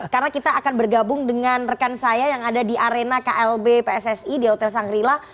karena kita akan bergabung dengan rekan saya yang ada di arena klb pssi di hotel sanggrila